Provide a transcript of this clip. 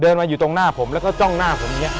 มาอยู่ตรงหน้าผมแล้วก็จ้องหน้าผมอย่างนี้